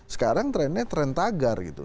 sekarang trennya tren tagar gitu